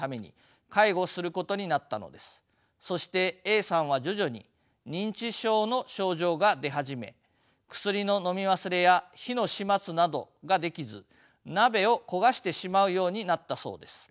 そしてＡさんは徐々に認知症の症状が出始め薬ののみ忘れや火の始末などができず鍋を焦がしてしまうようになったそうです。